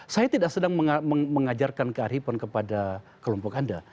saya tidak sedang mengajarkan kearifan kepada kelompok anda